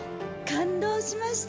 感動しました。